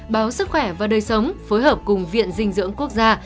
báo sức khỏe và đời sống phối hợp cùng viện dinh dưỡng quốc gia